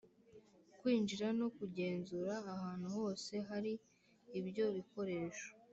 Kwinjira no kugenzura ahantu hose hari ibyo bikoresho